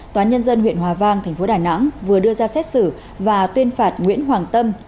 tòa nhân dân huyện hòa vang tp đà nẵng vừa đưa ra xét xử và tuyên phạt nguyễn hoàng tâm